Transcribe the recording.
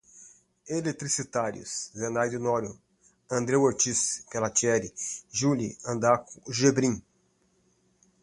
Eletricitários, Zenaide Honório, Andreu Ortiz, Pelatieri, Giuli, Andaku, Gebrim